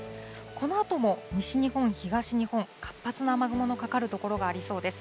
このあとも西日本、東日本、活発な雨雲のかかる所がありそうです。